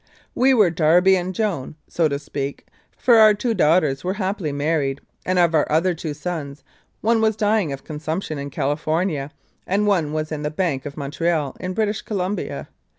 We were Darby and Joan, so to speak, for our two daughters were happily married, and, of our other two sons, one was dying of consumption in California, and one was in the Bank of Montreal in British Columbia.